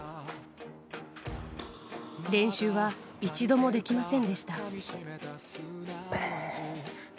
練習は、一度もできませんでした。